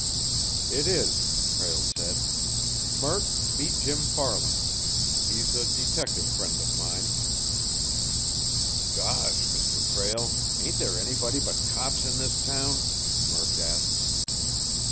"It is," Prale said. "Murk, meet Jim Farland. He's a detective friend of mine." "Gosh, Mr. Prale, ain't there anybody but cops in this town?" Murk asked.